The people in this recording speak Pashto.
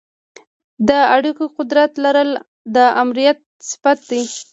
د اړیکو قدرت لرل د آمریت صفت دی.